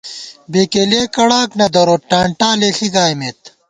بېکېلِیَہ کڑاک نہ دروت ٹانٹا لېݪی گائیمېت